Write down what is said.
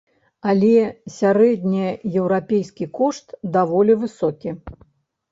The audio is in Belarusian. Але сярэднееўрапейскі кошт даволі высокі.